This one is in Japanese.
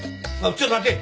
ちょっと待て。